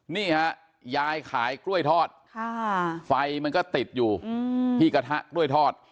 นี่ฮะยายขายกล้วยทอดไฟมันก็ติดอยู่ที่กระทะกล้วยทอด